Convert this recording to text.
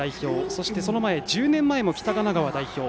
そしてその前、１０年前も北神奈川代表。